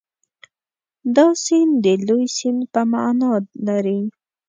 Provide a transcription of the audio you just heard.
دا سیند د لوی سیند په معنا لري.